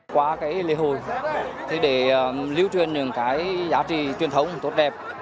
qua cái lễ hội thì để lưu truyền những cái giá trị truyền thống tốt đẹp